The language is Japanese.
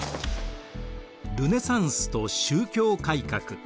ルネサンスと宗教改革。